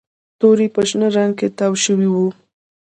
توري په شنه رنګ کې تاو شوي وو